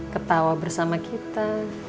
ketawa bersama kita